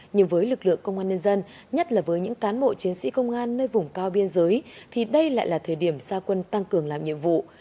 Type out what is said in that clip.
nhưng với lực lượng công an nhân dân nhất là với những cán bộ chiến sĩ công an nơi vùng cao biên giới thì đây lại là thời điểm xa quân tăng cường làm nhiệm vụ